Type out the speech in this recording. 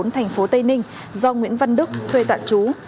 thành phố tây ninh do nguyễn văn đức thuê tạm trú